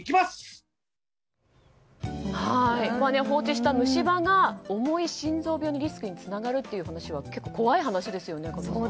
放置した虫歯が、重い心臓病のリスクにつながるという話は怖い話ですよね。